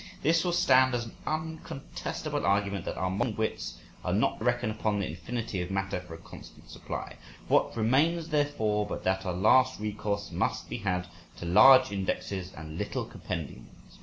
This will stand as an uncontestable argument that our modern wits are not to reckon upon the infinity of matter for a constant supply. What remains, therefore, but that our last recourse must be had to large indexes and little compendiums?